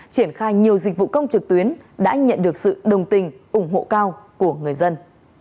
triển khai nhiều dịch vụ công trực tuyến đã nhận được sự đồng tình ủng hộ cao của người dân